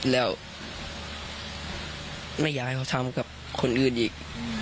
แล้วไม่อยากให้เขาทำกับคนอื่นอีก